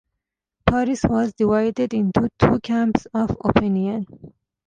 Paris was divided into two camps of opinion.